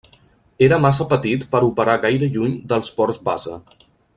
Era massa petit per operar gaire lluny dels ports base.